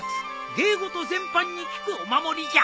芸事全般に効くお守りじゃ。